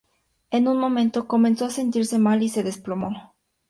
En un momento comenzó a sentirse mal y se desplomó.